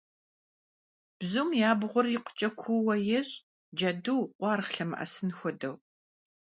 Бзум и абгъуэр икъукӏэ куууэ ещӏ, джэду, къуаргъ лъэмыӏэсын хуэдэу.